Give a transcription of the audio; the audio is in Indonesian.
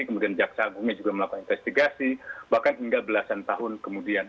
kemudian jaksa agungnya juga melakukan investigasi bahkan hingga belasan tahun kemudian